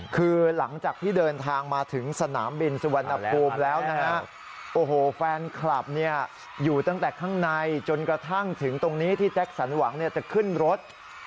คือหลังจากที่เดินทางมาถึงสนามบินสุวรรณภูมิแล้วนะฮะโอ้โหแฟนคลับเนี่ยอยู่ตั้งแต่ข้างในจนกระทั่งถึงตรงนี้ที่แจ็คสันหวังจะขึ้นรถ